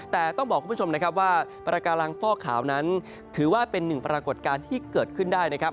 แต่ต้องบอกคุณผู้ชมนะครับว่าปากการังฟอกขาวนั้นถือว่าเป็นหนึ่งปรากฏการณ์ที่เกิดขึ้นได้นะครับ